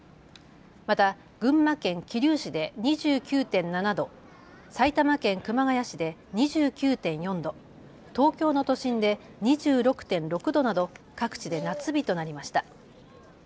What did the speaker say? また群馬県桐生市で２９．７度、埼玉県熊谷市で２９．４度、東京の都心で２６．６度など各地で夏日となりました。